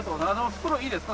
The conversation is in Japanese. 袋いいですか？